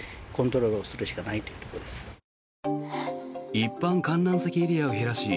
一般観覧席エリアを減らし